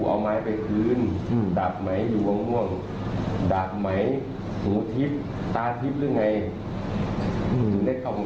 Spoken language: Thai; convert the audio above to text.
สุดท้ายตำรวจมาควบคุมตัวเนี่ยทำลายหลักฐานหมดแล้วแค่เห็นเท่านั้นแต่ไม่ได้เกี่ยวข้อง